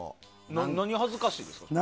何が恥ずかしいんですか？